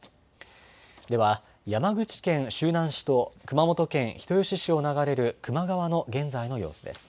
では、山口県周南市と熊本県人吉市を流れる球磨川の現在の様子です。